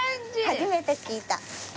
初めて聞いた。